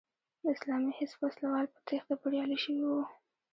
د اسلامي حزب وسله وال په تېښته بریالي شوي وو.